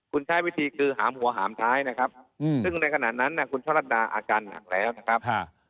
คุณใช้วิธีคือหามหัวหามท้ายนะครับซึ่งในขณะนั้นคุณช่อลัดดาอาการหนักแล้วนะครับ